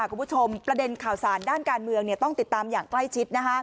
คุณผู้ชมประเด็นข่าวสารด้านการเมืองต้องติดตามอย่างใกล้ชิด